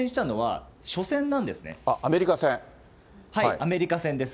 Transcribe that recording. アメリカ戦です。